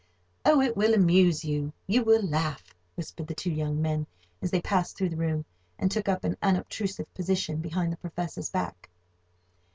"Oh, it will amuse you. You will laugh," whispered the two young men, as they passed through the room, and took up an unobtrusive position behind the Professor's back.